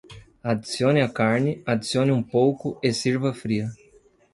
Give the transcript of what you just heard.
Adicione a carne, adicione um pouco e sirva fria.